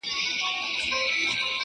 هغوی په اروپا کې د کار په لټه کې دي.